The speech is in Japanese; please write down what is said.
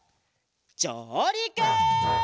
じょうりく！